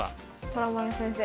虎丸先生。